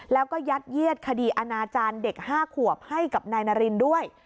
แล้วก็ยัดเยียดคดีอนาจารย์เด็ก๕ขวบให้กับนายนารินด้วย